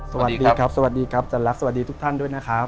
สวัสดีครับสวัสดีครับอาจารย์ลักษณสวัสดีทุกท่านด้วยนะครับ